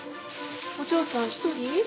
お嬢ちゃん一人？